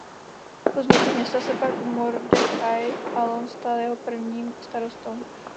Po vzniku města se pak Mordechaj Alon stal jeho prvním starostou.